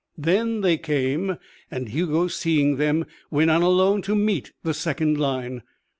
Then they came, and Hugo, seeing them, went on alone to meet the second line.